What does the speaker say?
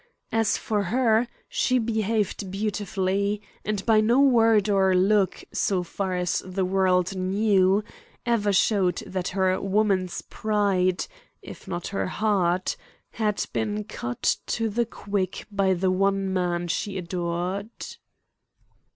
As for her, she behaved beautifully, and by no word or look, so far as the world knew, ever showed that her woman's pride, if not her heart, had been cut to the quick, by the one man she adored.